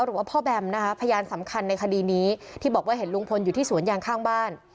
หรือว่าพ่อแบมนะคะพยานสำคัญในคดีนี้ที่บอกว่าเห็นลุงพลอยู่ที่สวนยางข้างบ้าน